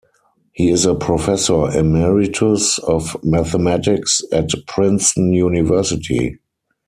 He is a professor emeritus of Mathematics at Princeton University.